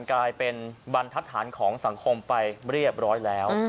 กลายเป็นบรรทัศนของสังคมไปเรียบร้อยแล้ว